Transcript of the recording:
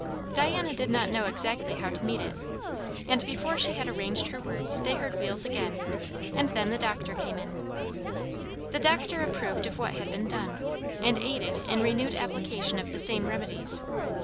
Diana did not know exactly how to meet it; and before she had arranged her words, they heard wheels again, and then the doctor came in. The doctor approved of what had been done, and aided in renewed application of the same remedies.